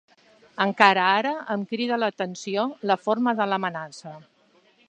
Encara ara em crida l'atenció la forma de l'amenaça.